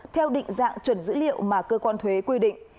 theo định dạng chuẩn dữ liệu mà cơ quan thuế quy định